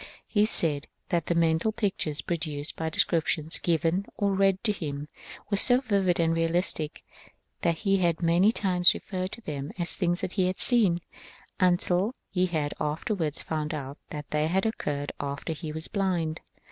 He said that the mental pictures produced by descriptions given or read to him were so vivid and realistic that he had many times referred to them as things he had seen, until he had afterwards found out that they occurred after he was blind.